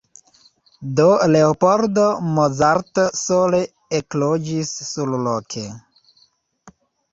Do Leopold Mozart sole ekloĝis surloke.